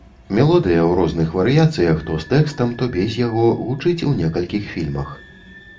Мелодыя, у розных варыяцыях, то з тэкстам, то без яго, гучыць у некалькіх фільмах.